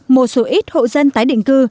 một số ít hộ dân tái định cư